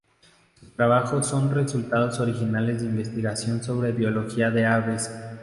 Sus trabajos son resultados originales de investigación sobre biología de aves.